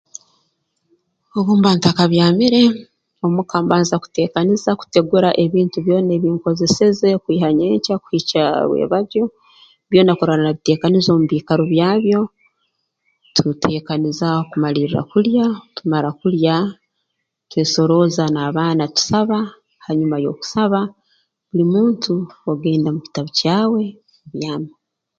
Obu mba ntakabyamire omu ka mbanza kuteekaniza kutegura ebintu byona ebinkozeseze kwiha nyenkya kuhikya rwebagyo byona kurora nabiteekaniza omu biikaro byabyo tuteekaniza kumalirra kulya tumara kulya twesorooza n'abaana tusaba hanyuma y'okusaba buli muntu ogenda mu kitabu kyawe obyama